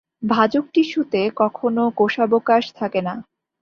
ভাজক টিস্যুতে কখনো কোষাবকাশ থাকে না।